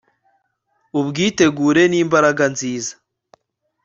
Ubwitegure nimbaraga nziza